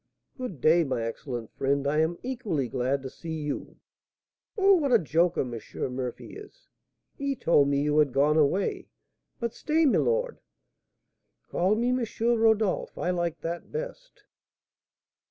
"Good day, my excellent friend. I am equally glad to see you." "Oh, what a joker M. Murphy is! He told me you had gone away. But stay, my lord " "Call me M. Rodolph; I like that best."